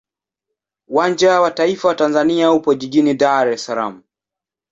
Uwanja wa taifa wa Tanzania upo jijini Dar es Salaam.